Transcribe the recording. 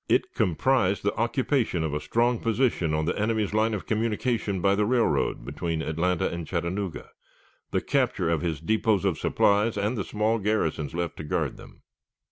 It comprised the occupation of a strong position on the enemy's line of communication by the railroad between Atlanta and Chattanooga, the capture of his depots of supplies and the small garrisons left to guard them.